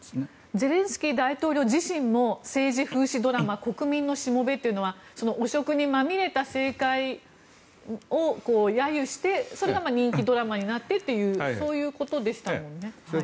ゼレンスキー大統領自身も政治風刺ドラマ「国民のしもべ」というのは汚職にまみれた政界を揶揄してそれが人気ドラマになってというそういうことですね。